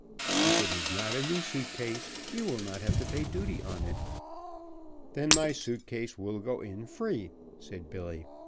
If it is not a new suit case you will not have to pay duty on it." "Then my suit case will go in free," said Billy.